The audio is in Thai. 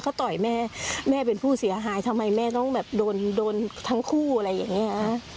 เขาต่อยแม่แม่เป็นผู้เสียหายทำไมแม่ต้องแบบโดนโดนทั้งคู่อะไรอย่างเงี้ย